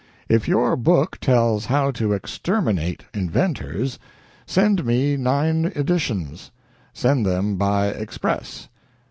If your book tells how to exterminate inventors, send me nine editions. Send them by express.